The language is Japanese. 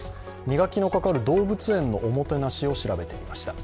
磨きのかかる動物園のおもてなしを調べてみました。